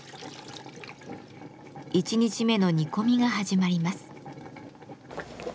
１日目の煮込みが始まります。